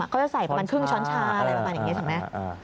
ก็จะใส่ประมาณครึ่งช้อนชาอะไรประมาณอย่างนี้ถูกไหม